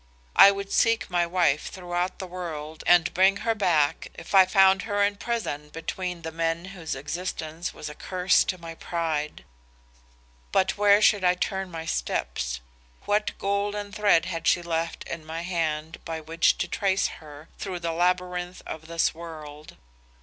I would seek my wife throughout the world and bring her back if I found her in prison between the men whose existence was a curse to my pride. But where should I turn my steps? What golden thread had she left in my hand by which to trace her through the labyrinth of this world?